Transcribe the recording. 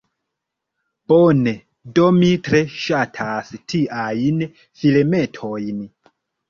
Bone, do mi tre ŝatas tiajn filmetojn